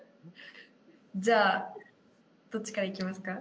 じゃあどっちからいきますか？